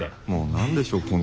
もう何でしょう